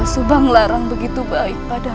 dinda subang larang begitu baik padaku